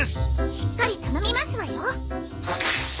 しっかり頼みますわよ。